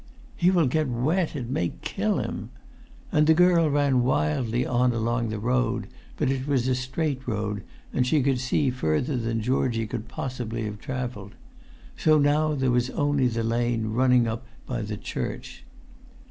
"He will get wet—it may kill him!" And the girl ran wildly on along the road; but it was a straight road, and she could see further than Georgie could possibly have travelled. So now there was only the lane running up by the church.